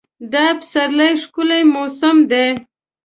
دا پسرلی ښکلی موسم دی.